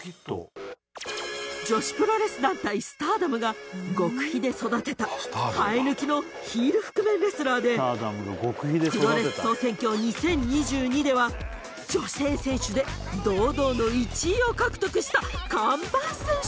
女子プロレス団体スターダムが極秘で育てた生え抜きのヒール覆面レスラーでプロレス総選挙２０２２では女性選手で堂々の１位を獲得した看板選手。